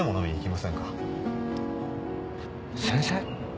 先生？